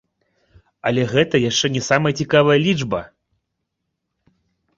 Але гэта яшчэ не самая цікавая лічба!